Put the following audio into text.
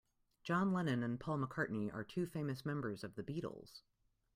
John Lennon and Paul McCartney are two famous members of the Beatles.